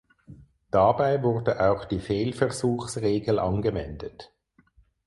Dabei wurde auch die Fehlversuchsregel angewendet.